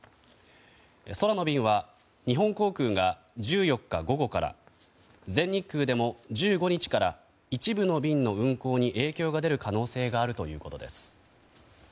空の便は日本航空が１４日午後から全日空でも１５日から一部の便の運航に影響が出る可能性があるということです。